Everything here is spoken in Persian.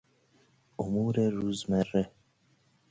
امورروزمره